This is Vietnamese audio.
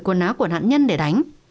quần áo của nạn nhân để đánh